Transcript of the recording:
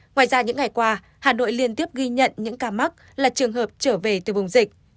ngoài ra những ngày qua hà nội liên tiếp ghi nhận những ca mắc là trường hợp trở về từ vùng dịch